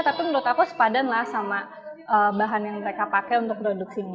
tapi menurut aku sepadan lah sama bahan yang mereka pakai untuk produksinya